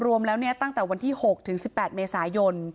รวมแล้วตั้งแต่วันที่๖ถึง๑๘เมษายน